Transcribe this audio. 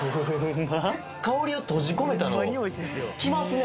ま香りを閉じ込めたのきますね